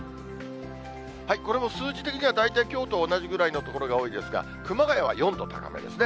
これも数字的には大体きょうと同じぐらいの所が多いですが、熊谷は４度高めですね。